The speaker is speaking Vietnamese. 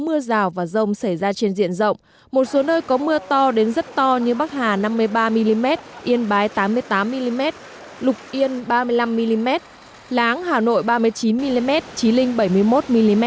mưa rào và rông xảy ra trên diện rộng một số nơi có mưa to đến rất to như bắc hà năm mươi ba mm yên bái tám mươi tám mm lục yên ba mươi năm mm láng hà nội ba mươi chín mm chí linh bảy mươi một mm